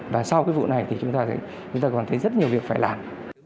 và sau cái vụ này thì chúng ta còn thấy rất nhiều việc phải làm